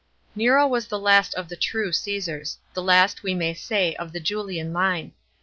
Nero was the last of th« true Caesars — the last, we may say, ot the Julian line.